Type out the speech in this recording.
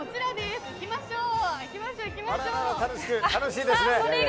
行きましょう！